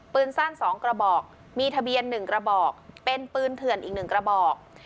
ปืนสั้น๒กระบอกมีทะเบียน๑กระบอกเป็นปืนเถื่อนอีก๑กระบอก